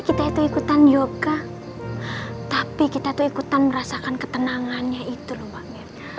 kita ikutan yoga tok picking kita tuk ikutan merasakan ketenangannya itu bahwa